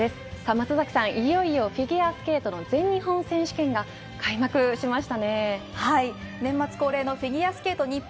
松崎さん、いよいよフィギュアスケートの全日本選手権が開幕しました。